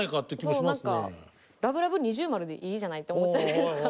そう何かラブラブ二重マルでいいじゃないって思っちゃうというか。